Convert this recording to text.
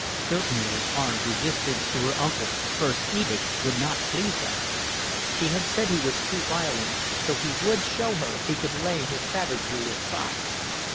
Certainly armed resistance to her uncle's first edict would not please her. She had said he was too violent, so he would show her he could lay his savagery aside.